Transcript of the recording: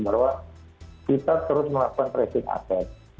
bahwa kita terus melakukan tracing aset